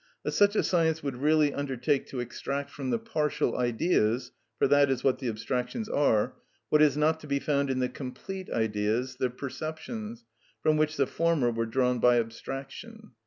But such a science would really undertake to extract from the partial ideas (for that is what the abstractions are) what is not to be found in the complete ideas (the perceptions), from which the former were drawn by abstraction.